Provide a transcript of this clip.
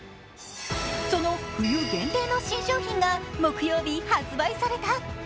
その冬限定の新商品が木曜日、発売された。